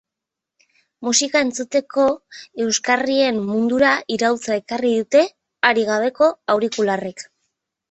Musika entzuteko euskarrien mundura iraultza ekarri dute hari gabeko aurikularrek.